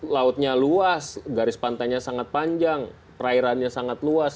lautnya luas garis pantainya sangat panjang perairannya sangat luas